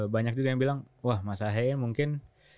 banyak juga yang bilang wah mas ahaya mungkin